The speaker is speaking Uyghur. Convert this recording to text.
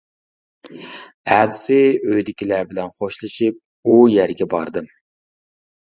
ئەتىسى ئۆيدىكىلەر بىلەن خوشلىشىپ ئۇ يەرگە باردىم.